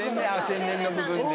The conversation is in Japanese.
天然の部分で。